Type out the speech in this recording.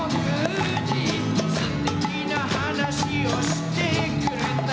「すてきな話をしてくれた」